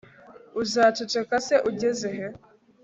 uzaceceka se ugeze he